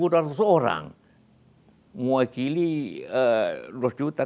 tidak ada yang menguakili dua juta